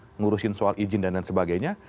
menguruskan soal izin dan sebagainya